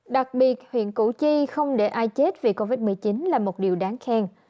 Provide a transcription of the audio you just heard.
đặc biệt huyện củ chi không để ai chết vì covid một mươi chín là một điều đáng khen